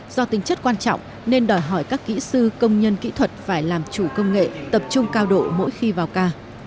do tính chất quan trọng nên đòi hỏi các kỹ sư công nhân kỹ thuật phải làm chủ công nghệ tập trung cao độ mỗi khi vào ca